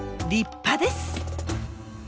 立派です！